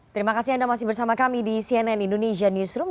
terima kasih anda masih bersama kami di cnn indonesia newsroom